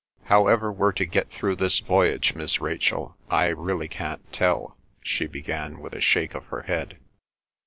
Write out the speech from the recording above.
"How ever we're to get through this voyage, Miss Rachel, I really can't tell," she began with a shake of her head.